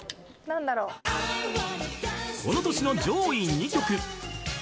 ［この年の上位２曲］